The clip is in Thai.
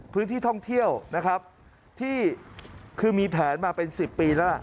พื้นที่ท่องเที่ยวนะครับที่คือมีแผนมาเป็น๑๐ปีแล้วล่ะ